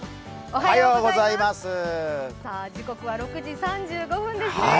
時刻は６時３５分ですね。